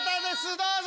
どうぞ！